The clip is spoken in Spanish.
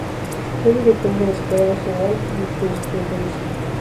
Fue director de la Escuela Nacional de Jurisprudencia.